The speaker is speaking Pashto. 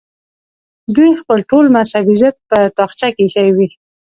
دوی خپل ټول مذهبي ضد په تاخچه کې ایښی وي.